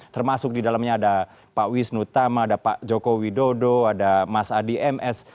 termasuk di dalamnya ada pak wisnu tama ada pak joko widodo ada mas adi ms